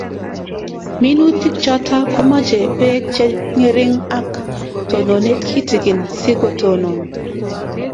Minutik chotok komache peek che ngering' ak tononet kitigin si kotonon